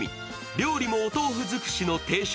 料理もお豆腐尽くしの定食